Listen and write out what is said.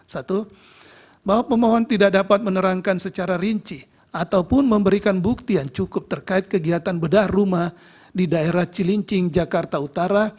satu bahwa pemohon tidak dapat menerangkan secara rinci ataupun memberikan bukti yang cukup terkait kegiatan bedah rumah di daerah cilincing jakarta utara